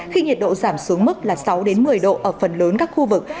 khi nhiệt độ giảm xuống mức là sáu một mươi độ ở phần lớn các khu vực